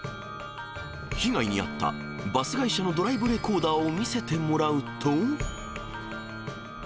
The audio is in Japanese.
被害に遭ったバス会社のドライブレコーダーを見せてもらうと。